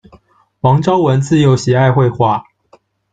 王朝闻自幼喜爱绘画。